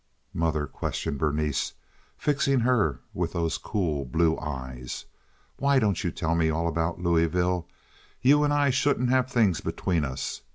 "Mother," questioned Berenice, fixing her with those cool, blue eyes, "why don't you tell me all about Louisville? You and I shouldn't have things between us.